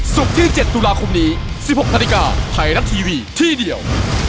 ศุกร์ที่๗ตุลาคมนี้๑๖นาฬิกาไทยรัฐทีวีที่เดียว